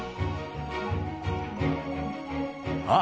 あっ！